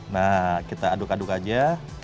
nah kita aduk aduk aja